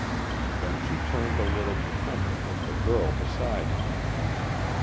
Then she turned a little to contemplate the girl beside her.